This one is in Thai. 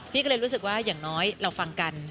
พี่ก็เลยรู้สึกว่าอย่างน้อยเราฟังกัน